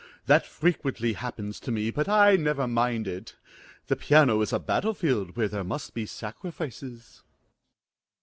That frequently happens to me; but I never mind it. The piano is a battle field where there must be sacrifices.